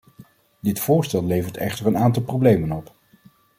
Dit voorstel levert echter een aantal problemen op.